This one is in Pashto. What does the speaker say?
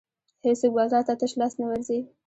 هېڅوک بازار ته تش لاس نه ورځي.